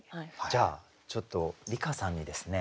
じゃあちょっと梨香さんにですね